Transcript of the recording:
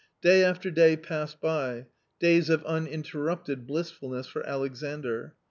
Day after day passed by, days of uninterrupted blissful ness for Alexandr.